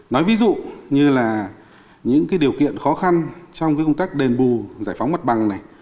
nói ví dụ như là những điều kiện khó khăn trong công tác đền bù giải phóng mặt bằng này